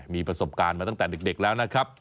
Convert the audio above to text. มีประสบการณ์มาตั้งแต่เด็กแล้วนะครับ